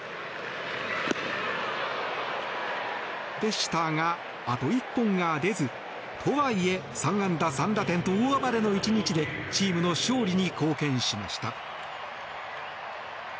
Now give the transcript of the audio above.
でしたが、あと一本が出ず。とはいえ３安打３打点と大暴れの１日でチームの勝利に貢献しました。